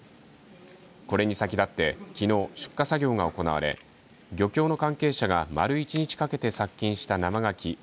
これに先立って、きのう出荷作業が行われ漁協の関係者が丸一日かけて殺菌した生がき